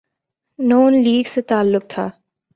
نون league سے تعلق تھا۔